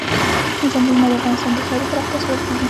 ځنګلونه د افغانستان د ښاري پراختیا سبب کېږي.